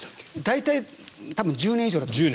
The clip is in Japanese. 大体１０年以上だと思います。